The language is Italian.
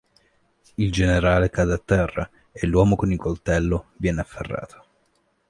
Il generale cade a terra e l'uomo con il coltello viene afferrato.